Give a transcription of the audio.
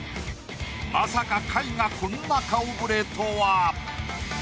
まさか下位がこんな顔触れとは。